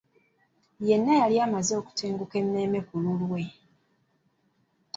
Yenna yali amaze okutenguka emmeeme ku lulwe.